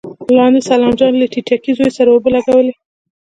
لاندې سلام جان له ټيټکي زوی سره اوبه لګولې.